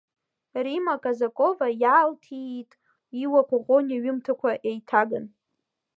Римма Казакова иаалҭиит Иуа Коӷониа иҩымҭақәа еиҭаган.